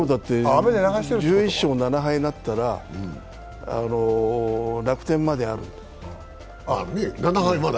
１１勝７敗だったら楽天まである。